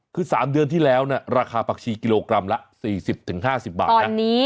คือ๓เดือนที่แล้วราคาผักชีกิโลกรัมละ๔๐๕๐บาทนะ